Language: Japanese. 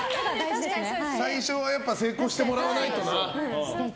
最初は成功してもらわないとな。